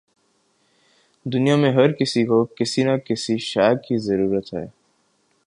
دنیا میں ہر کسی کو کسی نہ کسی شے کی ضرورت ہے